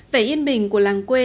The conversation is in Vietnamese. vẻ yên bình của làng quê